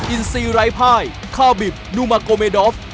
อินซีไร้ภายคาบิบนูมาโกเมดอฟ